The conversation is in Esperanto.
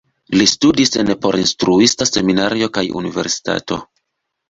Li studis en porinstruista seminario kaj universitato.